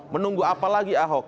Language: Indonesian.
menunggu apa lagi ahok